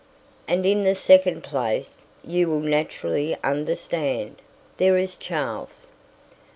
And in the second place, you will naturally understand, there is Charles.